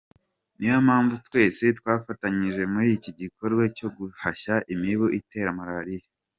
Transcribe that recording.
Ni yo mpamvu twese twafatanije muri iki gikorwa cyo guhashya imibu itera malariya”.